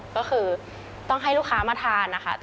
ก็คือต้องให้ลูกค้ามาทานนะคะ